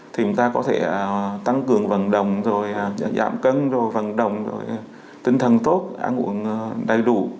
thì chúng ta có thể tăng cường vận động rồi giảm cân rồi vận động rồi tinh thần tốt ăn uống đầy đủ